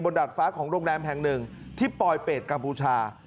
ดาดฟ้าของโรงแรมแห่งหนึ่งที่ปลอยเป็ดกัมพูชา